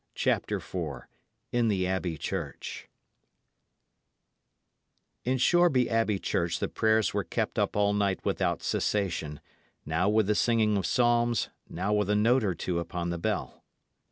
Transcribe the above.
CHAPTER IV IN THE ABBEY CHURCH In Shoreby Abbey Church the prayers were kept up all night without cessation, now with the singing of psalms, now with a note or two upon the bell.